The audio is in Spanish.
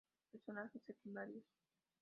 Personajes secundarios